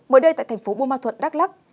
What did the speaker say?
mới đây tại thành phố bô ma thuận đắk lắk